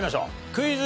クイズ。